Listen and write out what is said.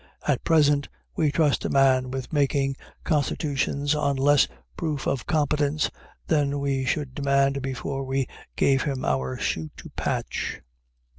At present, we trust a man with making constitutions on less proof of competence than we should demand before we gave him our shoe to patch.